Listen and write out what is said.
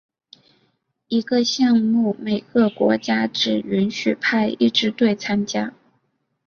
一个项目每个国家只允许派一支队参加。